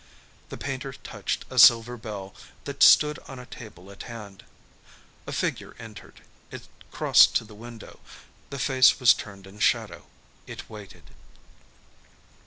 The painter touched a silver bell that stood on a table at hand. A figure entered. It crossed to the window. The face was turned in shadow. It waited.